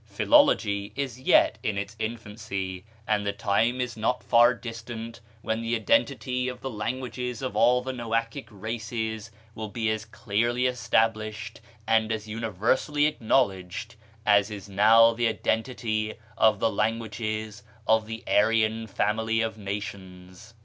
Philology is yet in its infancy, and the time is not far distant when the identity of the languages of all the Noachic races will be as clearly established and as universally acknowledged as is now the identity of the languages of the Aryan family of nations.